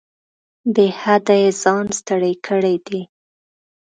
بې حده یې ځان ستړی کړی دی.